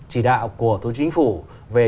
chỉ đạo của thủ chính phủ về